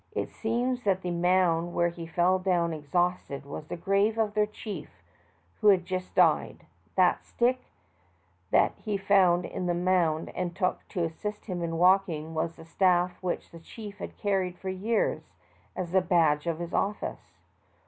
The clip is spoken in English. It seems that the mound where he fell down exhausted was the grave of their chief who had just died. The stick that he found in the mound and took to assist him in walking, was the staff which the chief had carried for years, as the badge of his office.